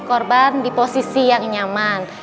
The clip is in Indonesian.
korban di posisi yang nyaman